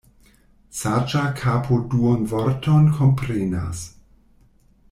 Saĝa kapo duonvorton komprenas.